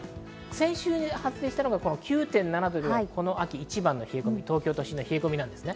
先週発生したのは９．７度、この秋一番の冷え込み、東京都心の冷え込みです。